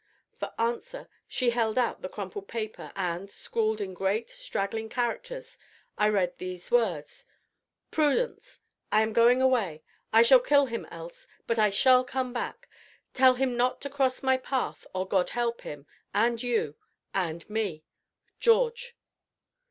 For answer, she held out the crumpled paper, and, scrawled in great, straggling characters, I read these words: "PRUDENCE, I'm going away, I shall kill him else, but I shall come back. Tell him not to cross my path, or God help him, and you, and me. GEORGE."